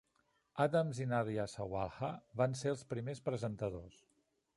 Adams i Nadia Sawalha van ser els primers presentadors.